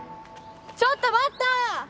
ちょっと待った！